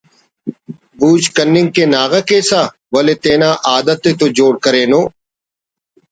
بوچ کننگ ءِ ناغہ کپسہ ولے تینا عادت ءِ تو جوڑ کرینو